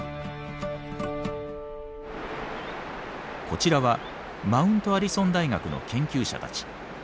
こちらはマウントアリソン大学の研究者たち。